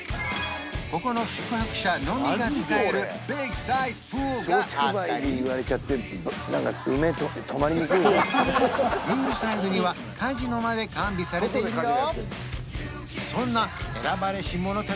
ここの宿泊者のみが使えるビッグサイズプールがあったりプールサイドにはカジノまで完備されているよ